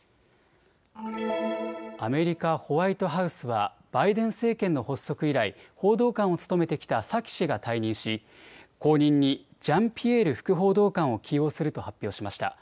アメリカ・ホワイトハウスはバイデン政権の発足以来、報道官を務めてきたサキ氏が退任し後任にジャンピエール副報道官を起用すると発表しました。